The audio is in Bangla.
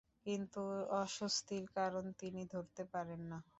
কিন্তু অস্বস্তির কারণ তিনি ধরতে পারেন না।